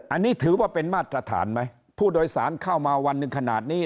อันนี้ถือว่าเป็นมาตรฐานไหมผู้โดยสารเข้ามาวันหนึ่งขนาดนี้